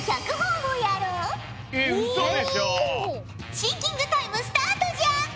シンキングタイムスタートじゃ！